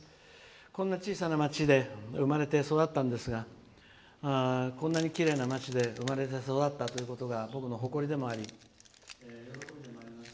こんな小さな街で生まれて育ったんですがこんなにきれいな街で生まれて育ったということが僕の誇りでもありますし。